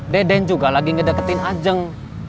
deden juga lagi ngedeketin ajeng